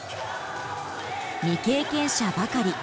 未経験者ばかり。